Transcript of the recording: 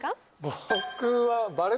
僕は。